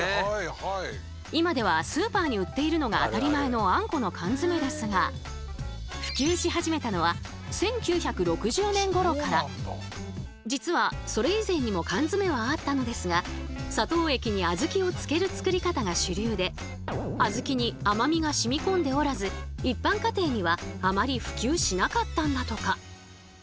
今ではスーパーに売っているのが当たり前のあんこの缶詰ですが実はそれ以前にも缶詰はあったのですが砂糖液にあずきを漬ける作り方が主流であずきに甘みが染みこんでおらず一般家庭にはあまり普及しなかったんだとか。